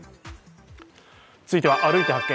続いては、「歩いて発見！